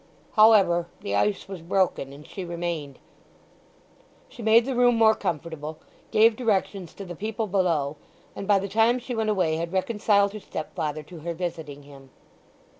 However, the ice was broken, and she remained. She made the room more comfortable, gave directions to the people below, and by the time she went away had reconciled her stepfather to her visiting him.